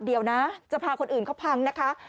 เดี๋ยวนะจะพาคนอื่นเขาพังนะคะ